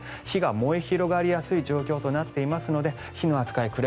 火が燃え広がりやすい状況となっていますので火の扱い